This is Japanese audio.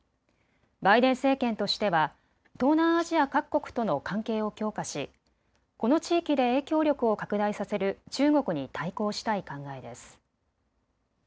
バイデン政権としては東南アジア各国との関係を強化しこの地域で影響力を拡大させる中国に対抗したい考えです。